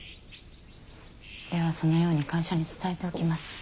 そのように会社に伝えておきます。